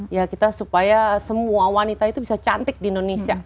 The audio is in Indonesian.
ya kita supaya semua wanita itu bisa cantik di indonesia